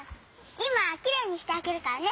いまきれいにしてあげるからね。